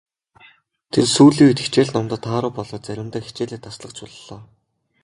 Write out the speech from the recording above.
Тэр сүүлийн үед хичээл номдоо тааруу болоод заримдаа хичээлээ таслах ч боллоо.